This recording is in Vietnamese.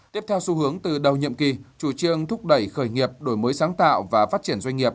tiếp theo xu hướng từ đầu nhiệm kỳ chủ trương thúc đẩy khởi nghiệp đổi mới sáng tạo và phát triển doanh nghiệp